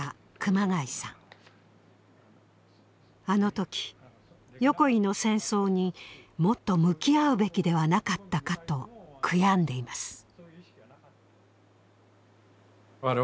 あのとき横井の戦争にもっと向き合うべきではなかったかと悔やんでいます。